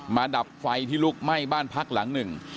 ดับไฟที่ลุกไหม้บ้านพักหลังหนึ่ง